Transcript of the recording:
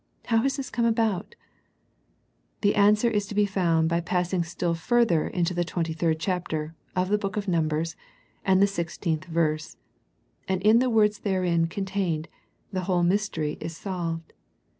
How has this come about ? The answer is to be found by passing still further to the thirty third chapter, of the book of Numbers, and the sixteenth verse, and in the words therein contained, the whole mystery is solved.